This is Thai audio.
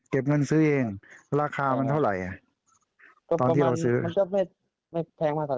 เก็บเงินซื้อเองราคามันเท่าไหร่ตอนที่เราซื้อมันจะไม่ไม่แพงมาก